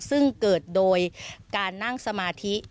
ซึ่งเกิดโดยการนั่งสมาธิ